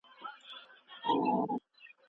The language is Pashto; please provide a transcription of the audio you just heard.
د مینې و کرکې ترمنځ